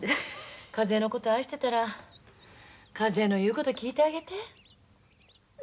一枝のこと愛してたら一枝の言うこと聞いてあげて。